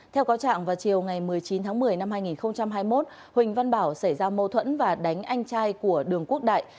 theo cáo trạng vào chiều ngày một mươi chín tháng một mươi năm hai nghìn hai mươi một huỳnh văn bảo xảy ra mâu thuẫn và đánh anh trai của đường quốc đại